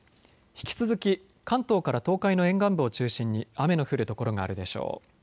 引き続き関東から東海の沿岸部を中心に雨の降る所があるでしょう。